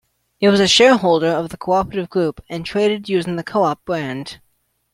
It was a shareholder of the Co-operative Group and traded using the "Co-op" brand.